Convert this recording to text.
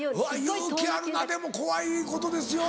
勇気あるなでも怖いことですよ。